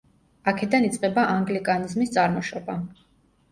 აქედან იწყება ანგლიკანიზმის წარმოშობა.